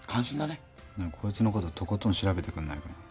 ねぇこいつのこととことん調べてくんないかな。